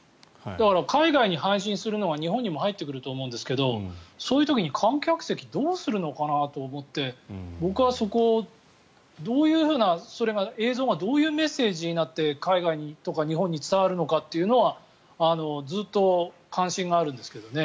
海外に配信するのは日本も入ってくると思うんですがそういう時に観客席どうするのかなと思って僕はそこ、映像がどういうメッセージになって海外とか日本に伝わるのかというのはずっと関心があるんですけどね。